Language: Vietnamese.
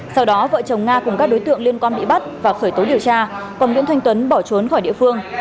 sau đó vợ chồng nga cùng các đối tượng liên quan bị bắt và khởi tố điều tra còn nguyễn thanh tuấn bỏ trốn khỏi địa phương